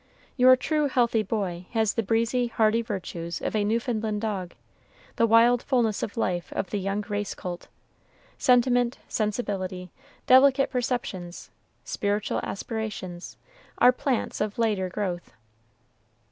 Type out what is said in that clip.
Your true healthy boy has the breezy, hearty virtues of a Newfoundland dog, the wild fullness of life of the young race colt. Sentiment, sensibility, delicate perceptions, spiritual aspirations, are plants of later growth.